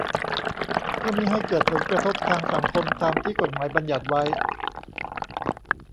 เพื่อมิให้เกิดผลกระทบทางสังคมตามที่กฎหมายบัญญัติไว้